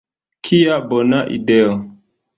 Kia bona ideo!